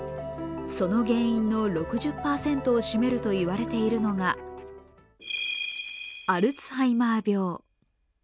その原因の６０％を占めるといわれているのがアルツハイマー病。